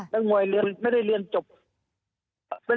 นักมวยไม่ได้เรียนจบ